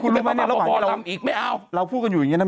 นุ่มปราวเก่งเนอะ